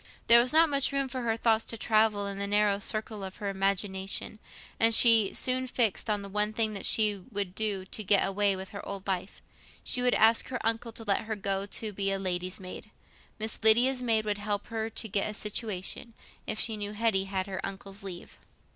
There was not much room for her thoughts to travel in the narrow circle of her imagination, and she soon fixed on the one thing she would do to get away from her old life: she would ask her uncle to let her go to be a lady's maid. Miss Lydia's maid would help her to get a situation, if she knew Hetty had her uncle's leave.